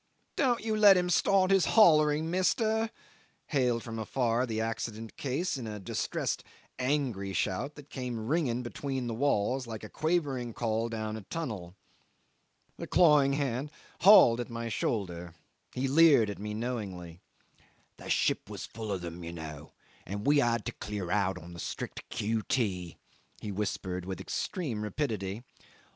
"Don't you let him start his hollering, mister," hailed from afar the accident case in a distressed angry shout that came ringing between the walls like a quavering call down a tunnel. The clawing hand hauled at my shoulder; he leered at me knowingly. "The ship was full of them, you know, and we had to clear out on the strict Q.T.," he whispered with extreme rapidity.